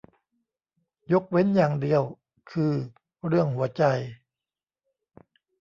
ยกเว้นอย่างเดียวคือเรื่องหัวใจ